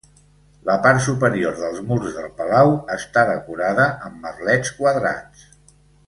La part superior dels murs del palau està decorada amb merlets quadrats.